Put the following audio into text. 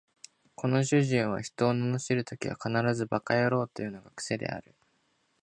この主人は人を罵るときは必ず馬鹿野郎というのが癖である